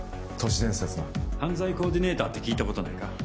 都市伝説の犯罪コーディネーターって聞いたことないか？